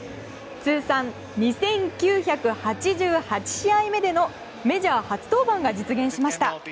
通算２９８８試合目でのメジャー初登板が実現しました。